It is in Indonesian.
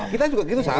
kita juga begitu sama